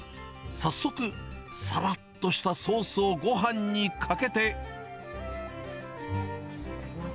早速、さらっとしたソースをごはんにかけて。